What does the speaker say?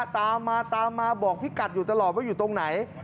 ตามมาตามมาบอกพี่กัดอยู่ตรงไหน